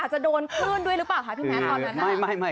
อาจจะโดนคลื่นด้วยหรือเปล่าภายพี่แมทก่อนไหน